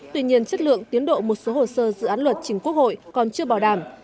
tuy nhiên chất lượng tiến độ một số hồ sơ dự án luật chính quốc hội còn chưa bảo đảm